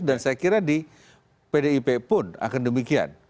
dan saya kira di pdip pun akan demikian